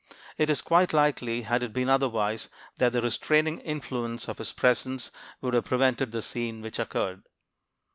It is quite likely, had it been otherwise, that the restraining influence of his presence would have prevented the scene which occurred.